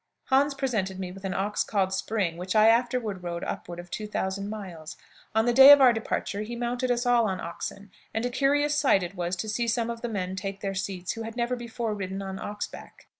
"Hans presented me with an ox called 'Spring,' which I afterward rode upward of two thousand miles. On the day of our departure he mounted us all on oxen, and a curious sight it was to see some of the men take their seats who had never before ridden on ox back.